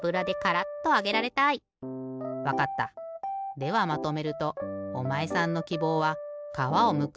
ではまとめるとおまえさんのきぼうは「かわをむく」